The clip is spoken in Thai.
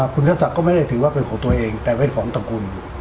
คุณครัศสัตว์ก็ไม่ได้ถือเป็นของตัวเองแต่จะเป็นของตกุล